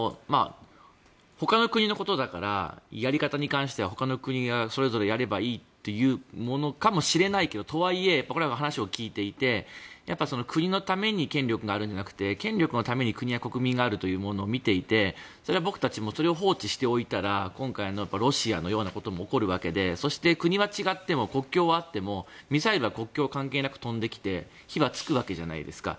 ほかの国のことだからやり方に関してはほかの国がそれぞれやればいいというものかもしれないけどとはいえ、お話を聞いていて国のために権力があるんじゃなくて権力のために国や国民があるというものを見ていてそれは僕たちもそれを放置していたら今回のロシアのようなことも起こるわけでそして、国は違っても国境はあってもミサイルは国境関係なく飛んできて火はつくわけじゃないですか。